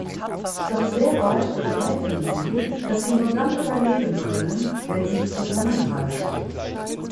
Doch sehr bald begreifen sie, dass sie nur dann überleben können, wenn sie zusammenhalten.